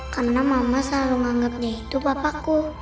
karena mama selalu menganggapnya itu papaku